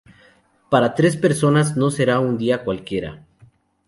Para tres personas no será un día cualquiera.